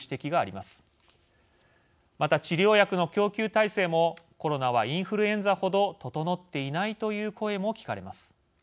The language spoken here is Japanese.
また治療薬の供給体制もコロナはインフルエンザほど整っていないという声が聞かれます。